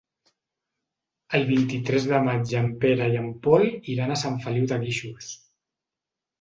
El vint-i-tres de maig en Pere i en Pol iran a Sant Feliu de Guíxols.